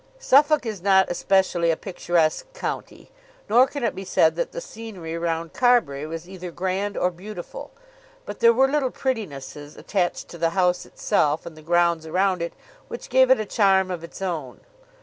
Suffolk is not especially a picturesque county, nor can it be said that the scenery round Carbury was either grand or beautiful; but there were little prettinesses attached to the house itself and the grounds around it which gave it a charm of its own.